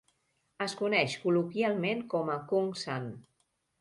Es coneix col·loquialment com a "Kungsan".